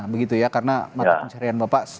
begitu ya karena mata pencarian bapak